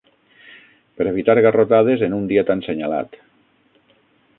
Per evitar garrotades en un dia tan senyalat